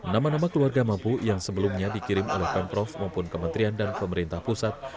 nama nama keluarga mampu yang sebelumnya dikirim oleh pemprov maupun kementerian dan pemerintah pusat